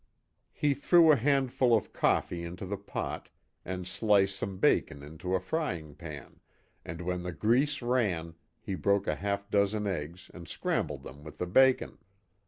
He threw a handful of coffee into the pot, and sliced some bacon into a frying pan, and when the grease ran, he broke a half dozen eggs and scrambled them with the bacon.